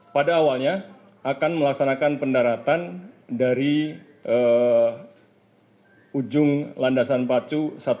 pada awalnya akan melaksanakan pendaratan dari ujung landasan pacu lima belas